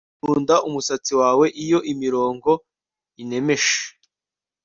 nkunda umusatsi wawe iyo imirongo enmesh